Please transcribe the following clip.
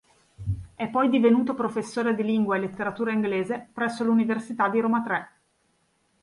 È poi divenuto professore di Lingua e letteratura inglese presso l'Università di Roma Tre.